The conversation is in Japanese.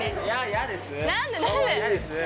嫌です。